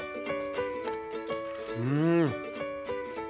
うん！